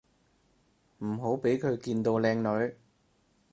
唔好畀佢見到靚女